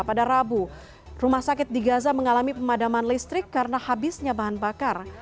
pada rabu rumah sakit di gaza mengalami pemadaman listrik karena habisnya bahan bakar